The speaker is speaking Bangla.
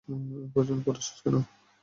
ওর পিছনে পরে আছেন কেন?